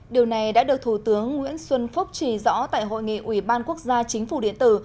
điều này đã được thủ tướng nguyễn xuân phúc chỉ rõ tại hội nghị ủy ban quốc gia chính phủ điện tử